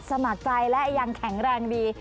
สมัครใจและยังแข็งแรงดี